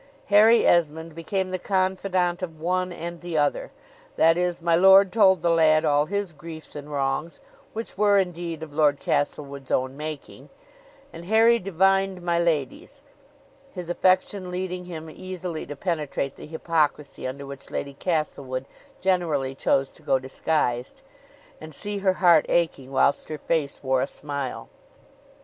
Harry Esmond became the confidant of one and the other that is, my lord told the lad all his griefs and wrongs (which were indeed of Lord Castlewood's own making), and Harry divined my lady's; his affection leading him easily to penetrate the hypocrisy under which Lady Castlewood generally chose to go disguised, and see her heart aching whilst her face wore a smile.